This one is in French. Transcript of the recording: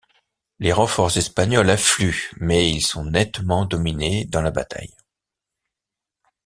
Les renforts espagnols affluent mais ils sont nettement dominés dans la bataille.